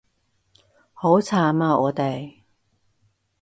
好慘啊我哋